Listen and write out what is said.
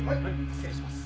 失礼します。